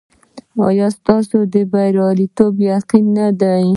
ایا ستاسو بریالیتوب یقیني نه دی؟